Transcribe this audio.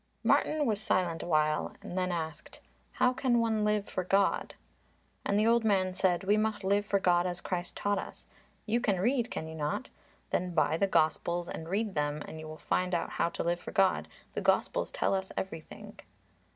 Martin was silent a while; then asked, "How can one live for God?" And the old man said, "We must live for God as Christ taught us. You can read, can you not? Then buy the Gospels and read them and you will find out how to live for God. The Gospels tell us everything."